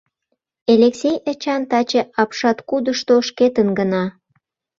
Элексей Эчан таче апшаткудышто шкетын гына.